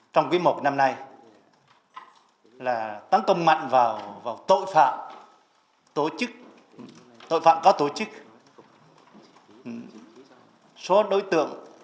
trong quy mục năm nay là tăng công mạnh vào tội phạm tội phạm có tổ chức số đối tượng